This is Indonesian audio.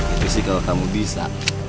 itu sih kalau kamu bisa